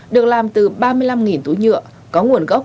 được làm từ ba mươi năm túi nhựa có nguồn gốc